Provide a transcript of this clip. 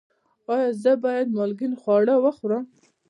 ایا زه باید مالګین خواړه وخورم؟